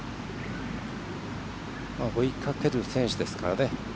追いかける選手ですから。